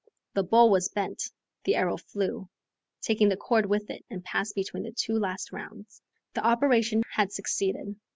The bow was bent, the arrow flew, taking the cord with it, and passed between the two last rounds. The operation had succeeded.